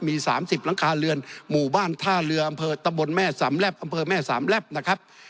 มี๓๐หลังคาเรือนหมู่บ้านท่าเรืออำเภอตะบนแม่สามแลบอำเภอแม่สามแลบนะครับ